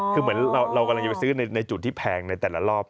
คือเหมือนเรากำลังจะไปซื้อในจุดที่แพงในแต่ละรอบ